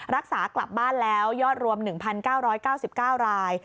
รักษากลับบ้านแล้วยอดรวม๑๙๙๙ราย